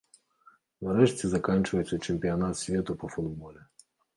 Нарэшце заканчваецца чэмпіянат свету па футболе.